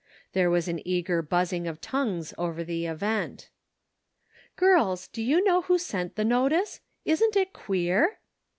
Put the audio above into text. There was an eager buzzing of tongues over the event. " Girls, do you know who sent the notice ? Isn't it queer